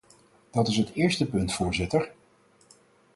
Dat is het eerste punt, voorzitter.